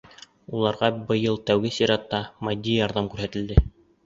Уларға быйыл тәү сиратта матди ярҙам күрһәтелде.